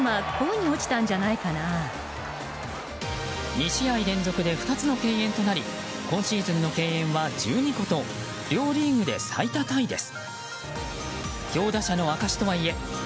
２試合連続で２つの敬遠となり今シーズンの敬遠は１２個と両リーグで最多タイです。